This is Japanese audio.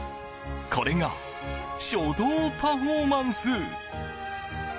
これが、書道パフォーマンス。